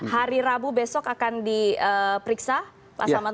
hari rabu besok akan diperiksa pak selamat mari